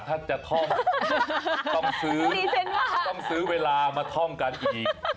ถ้าจะท่องต้องซื้อเวลามาท่องกันอีก